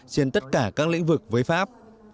trên tất cả các lĩnh vực với pháp